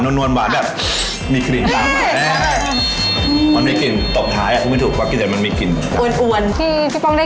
ทำคนเดียวไหนก็ชิมแล้วทำงานนิดนึงค่ะ